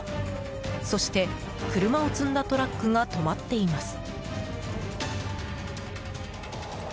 そして、車を積んだトラックが止まっています。